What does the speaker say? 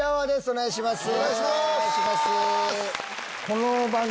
お願いします。